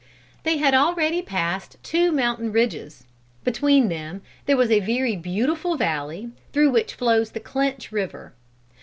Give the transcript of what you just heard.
They had already passed two mountain ridges. Between them there was a very beautiful valley, through which flows the Clinch River.